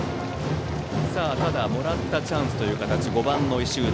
もらったチャンスという形５番、石浦